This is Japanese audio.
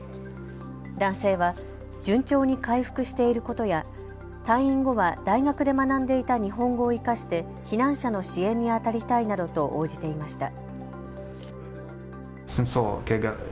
男性は順調に回復していることや退院後は大学で学んでいた日本語を生かして避難者の支援にあたりたいなどと応じていました。